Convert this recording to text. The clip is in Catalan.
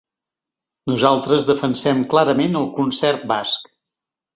Nosaltres defensem clarament el concert basc.